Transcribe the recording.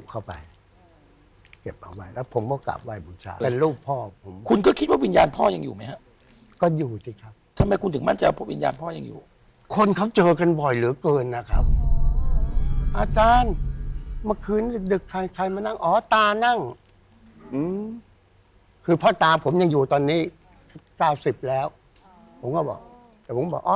ก็คิดว่าวิญญาณพ่อยังอยู่ไหมครับก็อยู่สิครับทำไมคุณถึงมั่นจะว่าวิญญาณพ่อยังอยู่คนเขาเจอกันบ่อยเหลือเกินนะครับอาจารย์เมื่อคืนดึกดึกใครใครมานั่งอ๋อตานั่งอืมคือพ่อตาผมยังอยู่ตอนนี้เก้าสิบแล้วผมก็บอกแต่ผมบอกอ